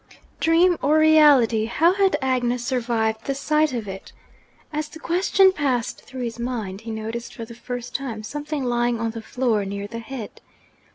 Dream or reality, how had Agnes survived the sight of it? As the question passed through his mind, he noticed for the first time something lying on the floor near the head.